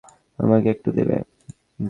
আমাকে একটু দেবে?